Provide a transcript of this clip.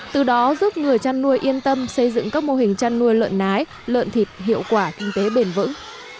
từ đó giúp người chăn nuôi yên tâm xây dựng các mô hình chăn nuôi lợn nái lợn thịt hiệu quả kinh tế bền vững